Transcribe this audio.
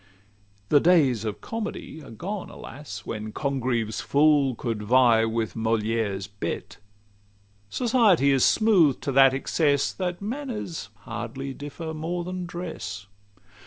The days of Comedy are gone, alas! When Congreve's fool could vie with Molière's bête: Society is smooth'd to that excess, That manners hardly differ more than dress.